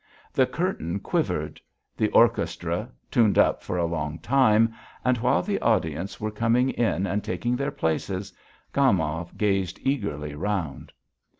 The curtain quivered; the orchestra tuned up for a long time, and while the audience were coming in and taking their seats, Gomov gazed eagerly round.